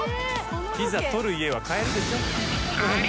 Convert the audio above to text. ピザ取る家は買えるでしょ。